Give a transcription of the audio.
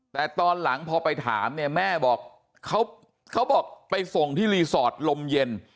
แต่ตอนหลังพอไปถามเนี่ยแม่บอกเขาบอกไปส่งที่รีสอร์ทลมเย็น